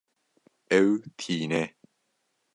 Ew tîne